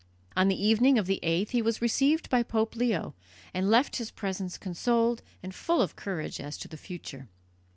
On the evening of the 8th he was received by Pope Leo, and left his presence consoled and full of courage as to the future.